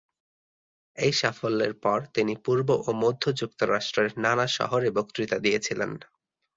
এই সাফল্যের পর তিনি পূর্ব ও মধ্য যুক্তরাষ্ট্রের নানা শহরে বক্তৃতা দিয়েছিলেন।